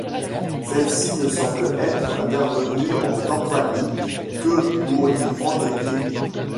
Celle-ci ne semble être intervenue en Campanie que pour y prendre pied.